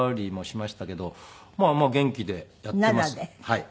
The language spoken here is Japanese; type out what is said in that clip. はい。